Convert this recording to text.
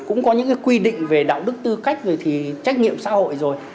cũng có những cái quy định về đạo đức tư cách rồi thì trách nhiệm xã hội rồi